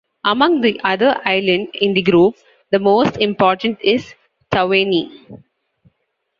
Among the other island in the group, the most important is Taveuni.